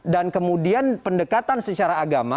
dan kemudian pendekatan secara agama